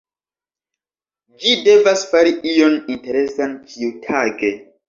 Ĝi devas fari ion interesan ĉiutage.